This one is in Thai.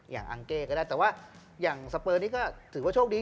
อังเก้ก็ได้แต่ว่าอย่างสเปอร์นี้ก็ถือว่าโชคดี